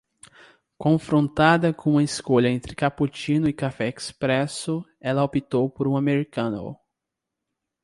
Confrontada com uma escolha entre cappuccino e café expresso, ela optou por um americano.